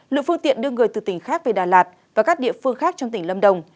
lượng phương tiện đưa người từ tỉnh khác về đà lạt và các địa phương khác trong tỉnh lâm đồng